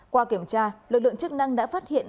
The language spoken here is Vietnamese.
qua kiểm tra lực lượng chức năng đã phát hiện